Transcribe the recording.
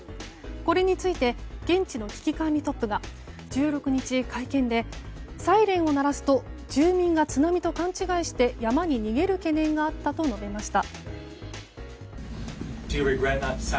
これについて現地の危機管理トプが１６日、会見でサイレンを鳴らすと住民が津波と勘違いして山に逃げる懸念があったと述べました。